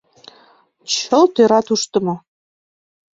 Чылт ӧрат, ушдымо...